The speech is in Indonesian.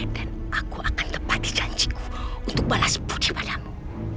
dan aku akan tepati janjiku untuk balas budi padamu